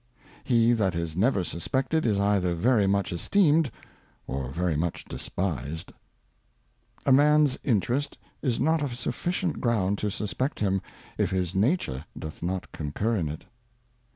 He that is never suspected, is either very much esteemed, or very much despised. A Man^s Interest is not a sufficient Ground to suspect him, if his Nature doth not concur in it.